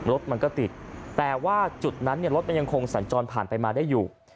รถมันก็ติดแต่ว่าจุดนั้นรถมันยังคงสัญจรผ่านไปมาได้อยู่